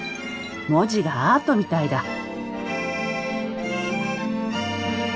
文字がアートみたいだ。